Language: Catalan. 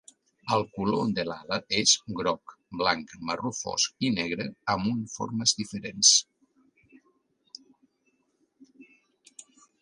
El color de l'ala és groc, blanc, marró fosc i negre, amb un formes diferents.